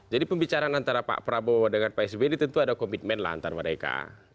jadi pembicaraan antara pak prabowo dengan pak s b ini tentu ada komitmenlah antara mereka